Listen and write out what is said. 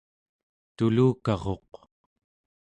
tulukaruq